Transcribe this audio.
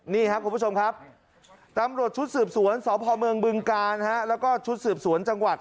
นี่ครับตำรวจชุดสืบสวนสพเมบึงการและชุดสืบสวนจังหวัด